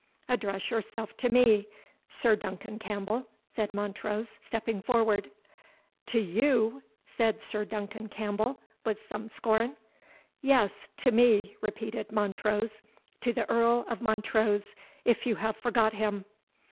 "Address yourself to me, Sir Duncan Campbell," said Montrose, stepping forward. "To you!" said Sir Duncan Campbell, with some scorn. "Yes, to me," repeated Montrose, "to the Earl of Montrose, if you have forgot him."